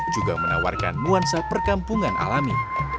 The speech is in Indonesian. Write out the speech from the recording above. juga menawarkan nuansa perkampungan alami